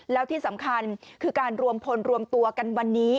แล้วที่สำคัญคือการรวมพลรวมตัวกันวันนี้